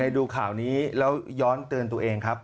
ดูข่าวนี้แล้วย้อนเตือนตัวเองครับ